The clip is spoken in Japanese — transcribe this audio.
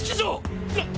なっ！？